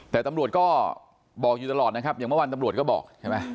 แต่ตำรวจก็บอกอยู่ตลอดนะครับอย่างเมื่อวานตำรวจก็บอกใช่ไหม